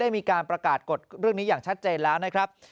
มีการประกาศกฎเรื่องนี้อย่างชัดเจนแล้วนะครับ